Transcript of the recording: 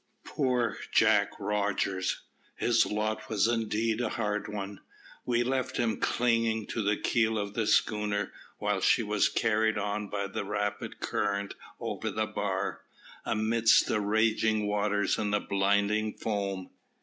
Poor Jack Rogers! His lot was indeed a hard one. We left him clinging to the keel of the schooner, while she was carried on by the rapid current over the bar, amidst the raging waters and blinding foam.